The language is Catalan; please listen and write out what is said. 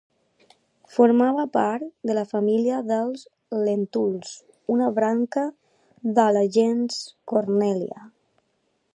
Formava part de la família dels Lèntuls, una branca de la gens Cornèlia.